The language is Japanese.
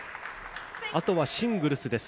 あとは、シングルスです。